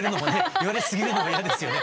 言われ過ぎるのも嫌ですよね。